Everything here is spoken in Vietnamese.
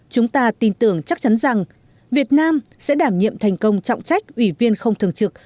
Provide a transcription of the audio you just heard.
chúng ta tin tưởng chắc chắn rằng việt nam sẽ đảm nhiệm thành công trọng trách ủy viên không thường trực